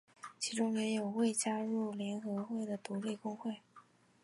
其中也有未加入联合会的独立工会。